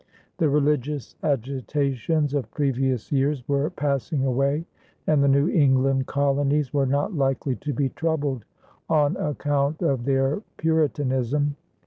The religious agitations of previous years were passing away and the New England colonies were not likely to be troubled on account of their Puritanism.